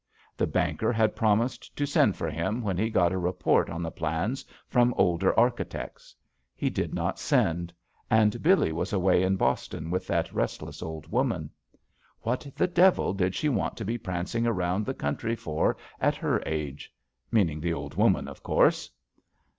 The banker had promised to send for him when he got a re port on the plans from older architects. He did not send, and Billee was away in Boston with that restless old woman. What the devil did she want to be prancing around the coun try for at her age ? Meaning the old woman, of course.